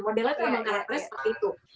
modellernya tuh sama karakternya seperti itu